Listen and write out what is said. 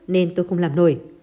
nên tôi không làm nổi